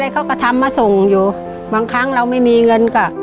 เขาก็ทำมาส่งอยู่บางครั้งเราไม่มีเงินก็